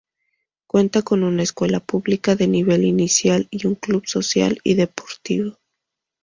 Cuenta con una escuela pública de nivel inicial y un club social y deportivo.